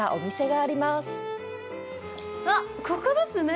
あっ、ここですね。